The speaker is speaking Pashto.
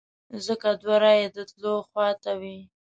ځکه دوه رایې د تلو خواته وې.